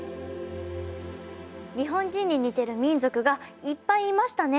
日本人に似てる民族がいっぱいいましたね！